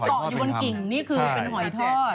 จากกระแสของละครกรุเปสันนิวาสนะฮะ